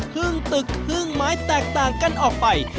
ครึ่งตึกครึ่งไม้แตกต่างกันออกไป